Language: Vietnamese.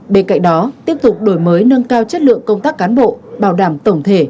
bên cạnh đó tiếp tục đổi mới nâng cao chất lượng công tác cán bộ bảo đảm tổng thể